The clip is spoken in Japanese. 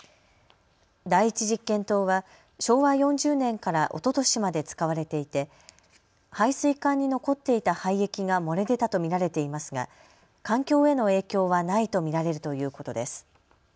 第１実験棟は昭和４０年からおととしまで使われていて排水管に残っていた廃液が漏れ出たと見られていますが環境への影響はないと見られるということです。